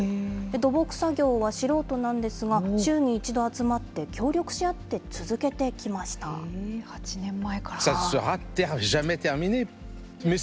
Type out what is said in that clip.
土木作業は素人なんですが、週に１度集まって、８年前から。